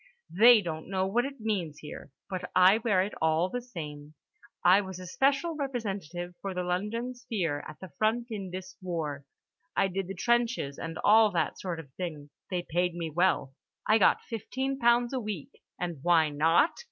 "They don't know what it means here, but I wear it all the same. I was a special representative for The London Sphere at the front in this war. I did the trenches and all that sort of thing. They paid me well; I got fifteen pounds a week. And why not?